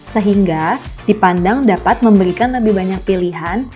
sehingga dipandang dapat memberikan lebih banyak pilihan